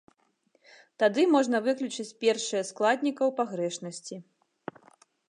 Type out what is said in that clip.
Тады можна выключыць першыя складнікаў пагрэшнасці.